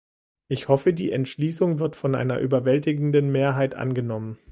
Ich hoffe, die Entschließung wird von einer überwältigenden Mehrheit angenommen.